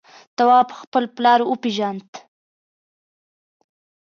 تواب خپل پلار وپېژند.